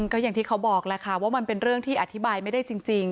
ก็อย่างที่เขาบอกแหละค่ะว่ามันเป็นเรื่องที่อธิบายไม่ได้จริง